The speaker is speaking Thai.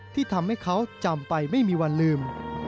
ที่ทำให้เขาจำไปไม่มีวันลืม